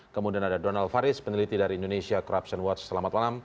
kemudian ada donald faris peneliti dari indonesia corruption watch selamat malam